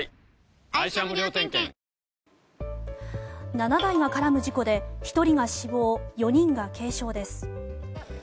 ７台が絡む事故で１人が死亡、４人が軽傷です。